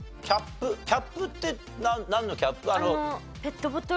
キャップってなんのキャップ？